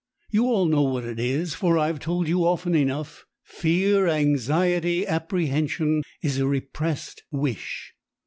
You all know what it is, for I have told you often enough: fear anxiety apprehension is a repressed wish.